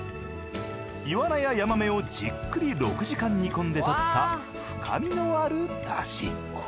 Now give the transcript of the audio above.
イワナやヤマメをじっくり６時間煮込んでとった深みのある出汁。